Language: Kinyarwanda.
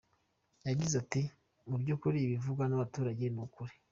Yagize ati " Mu byukuri, ibivugwa n’abaturage ni ukuri.